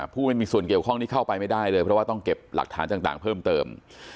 ไม่มีส่วนเกี่ยวข้องนี้เข้าไปไม่ได้เลยเพราะว่าต้องเก็บหลักฐานต่างเพิ่มเติม